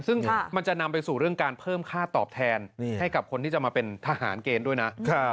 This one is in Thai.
ซึ่งมันจะนำไปสู่เรื่องการเพิ่มค่าตอบแทนให้กับคนที่จะมาเป็นทหารเกณฑ์ด้วยนะ